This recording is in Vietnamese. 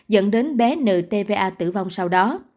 dẫn đến bé nợ tva tử vong sau đó